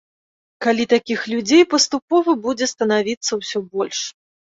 Калі такіх людзей паступова будзе станавіцца ўсё больш.